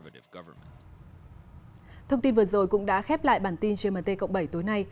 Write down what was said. thông tin vừa rồi cũng đã khép lại bản tin gmt cộng bảy tối nay